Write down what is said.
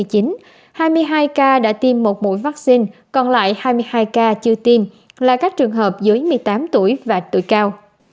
hai mươi hai ca đã tiêm một mũi vaccine còn lại hai mươi hai ca chưa tin là các trường hợp dưới một mươi tám tuổi và tuổi cao